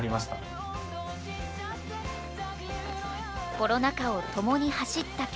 コロナ禍を伴に走った曲。